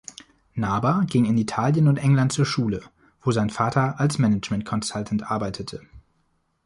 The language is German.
Naber ging in Italien und England zur Schule, wo sein Vater als Management-Consultant arbeitete.